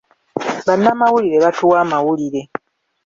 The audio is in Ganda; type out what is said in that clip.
Bannamawulire batuwa amawulire.